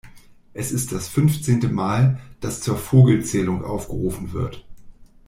Es ist das fünfzehnte Mal, dass zur Vogelzählung aufgerufen wird.